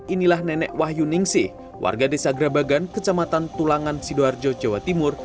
inilah nenek wahyu ningsih warga desa grabagan kecamatan tulangan sidoarjo jawa timur